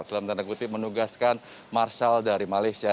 dalam tanda kutip menugaskan marshall dari malaysia